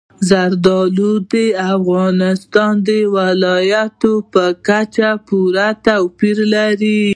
زردالو د افغانستان د ولایاتو په کچه پوره توپیر لري.